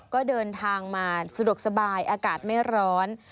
ก็เดินทางมาสะดวกสบายอากาศไม่ร้อน